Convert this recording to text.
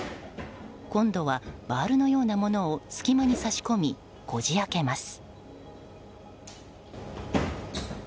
今度はバールのようなものを隙間に差し込みこじ開けます。